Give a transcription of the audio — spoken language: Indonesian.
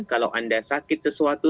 kalau anda sakit sesuatu